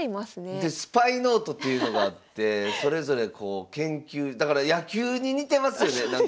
でスパイノートっていうのがあってそれぞれこう研究だから野球に似てますよねなんか。